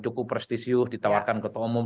cukup prestisius ditawarkan ketua umum